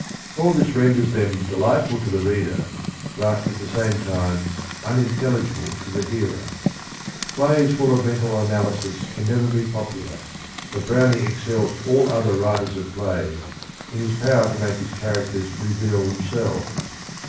All this renders them delightful to the reader but, at the same time, unintelligible to the hearer. Plays full of mental analysis can never be popular, but Browning excels all other 8 THE RING AND THE BOOK writers of plays in his power to make his char acters reveal themselves.